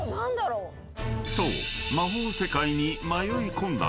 ［そう］